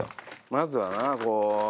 まずはな、こう。